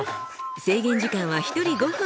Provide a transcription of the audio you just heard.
制限時間は一人５分。